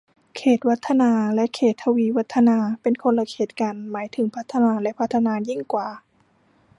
เขตวัฒนา และเขตทวีวัฒนา เป็นคนละเขตกัน หมายถึงพัฒนาและพัฒนายิ่งกว่า